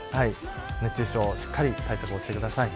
熱中症しっかり対策してください。